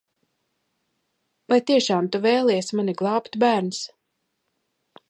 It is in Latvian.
Vai tiešām tu vēlies mani glābt, bērns?